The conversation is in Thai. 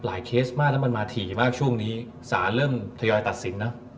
เคสมากแล้วมันมาถี่มากช่วงนี้สารเริ่มทยอยตัดสินนะ